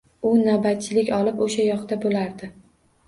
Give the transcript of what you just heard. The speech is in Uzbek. U navbatchilik olib, o‘sha yoqda bo‘lardi.